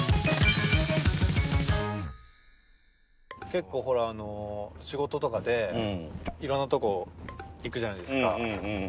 結構ほらあの仕事とかで色んなとこ行くじゃないですか。